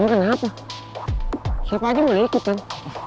lo kenapa siapa aja boleh ikutan